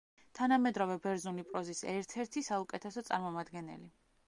თანამედროვე ბერძნული პროზის ერთ-ერთი საუკეთესო წარმომადგენელი.